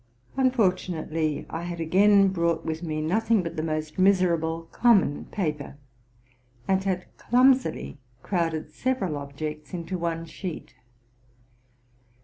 Unfortu nately I had again brought with me nothing but the most miserable common paper, and had clumsily crowded several objects into one sheet.